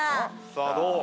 「さあどう？」